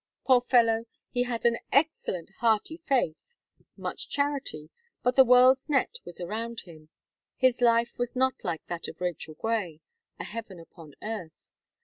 Poor fellow! he had an excellent hearty some faith, much charity, but the world's net was around him. His life was not like that of Rachel Gray a heaven upon earth.